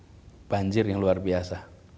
jadi dia menangkap banjir yang luar biasa